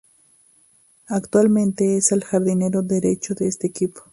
Actualmente es el Jardinero derecho de este equipo.